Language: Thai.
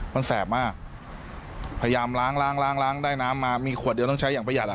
มันแสบมากพยายามล้างได้น้ำมามีขวดเดียวต้องใช้อย่างประหยัด